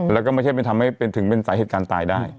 แล้วก็ไม่ใช่ถึงเป็นสาเหตุการณ์ตายได้